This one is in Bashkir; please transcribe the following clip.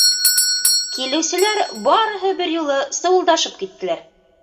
Килеүселәр барыһы бер юлы сыуылдашып киттеләр.